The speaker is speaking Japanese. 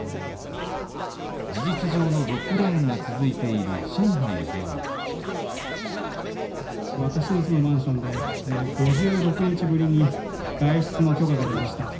事実上のロックダウンが続いている上海では私の住むマンションで、５６日ぶりに外出の許可が出ました。